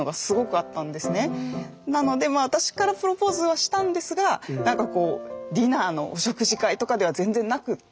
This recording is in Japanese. なので私からプロポーズはしたんですがなんかこうディナーの食事会とかでは全然なくって。